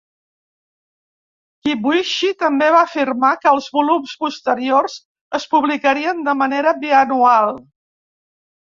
Kibuishi també va afirmar que els volums posteriors es publicarien de manera bianual.